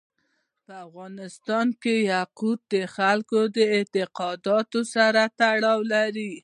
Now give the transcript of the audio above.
په افغانستان کې یاقوت د خلکو د اعتقاداتو سره تړاو لري.